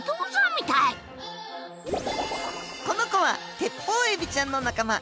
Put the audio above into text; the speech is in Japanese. この子はテッポウエビちゃんの仲間。